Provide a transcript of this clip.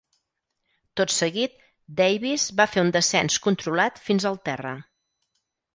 Tot seguit, Davis va fer un descens controlat fins al terra.